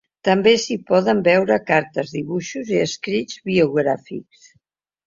També s’hi poden veure cartes, dibuixos i escrits biogràfics.